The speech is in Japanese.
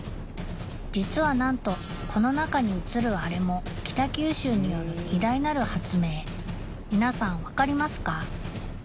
実はなんとこの中に映るアレも北九州による偉大なる発明皆さん分かりますか？